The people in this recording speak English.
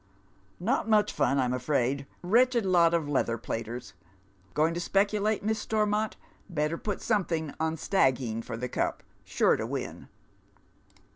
" Not much fun, I'm afraid : wretched lot of leather platers. Going to speculate, Miss Stormont ? Better put somedung on Stagheen for the Cup. Sure to win.'"'